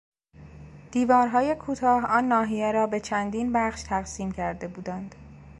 دیوارهای کوتاه آن ناحیه را به چندین بخش تقسیم کرده بودند.